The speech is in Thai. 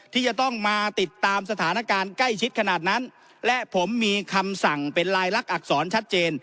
ที่จะต้องมาติดตามสถานการณ์ใกล้ชิดขนาดนั้นและผมมีคำสั่งเป็นลายลักษณอักษรชัดเจน